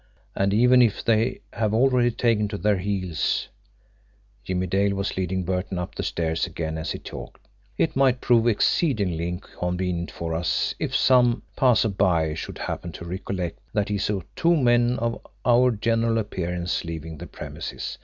And even if they have already taken to their heels" Jimmie Dale was leading Burton up the stairs again as he talked "it might prove exceedingly inconvenient for us if some passer by should happen to recollect that he saw two men of our general appearance leaving the premises.